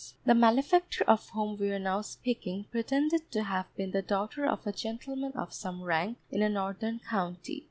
The malefactor of whom we are now speaking pretended to have been the daughter of a gentleman of some rank in a northern county.